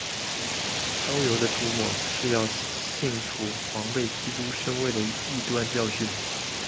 膏油的涂抹是要信徒防备基督身位的异端教训。